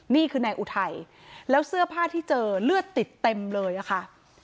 นี่คือนายอุทัยแล้วเสื้อผ้าที่เจอเลือดติดเต็มเลยอะค่ะ